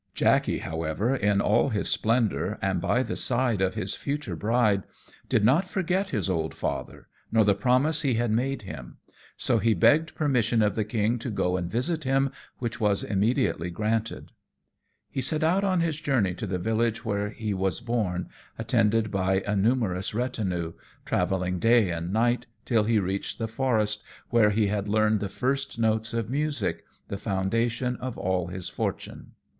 Jackey, however, in all his splendour, and by the side of his future bride, did not forget his old father, nor the promise he had made him; so he begged permission of the king to go and visit him, which was immediately granted. He set out on his journey to the village where he was born, attended by a numerous retinue, travelling day and night till he reached the forest where he had learned the first notes of music, the foundation of all his fortune.